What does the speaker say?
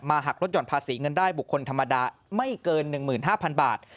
หักลดห่อนภาษีเงินได้บุคคลธรรมดาไม่เกิน๑๕๐๐๐บาท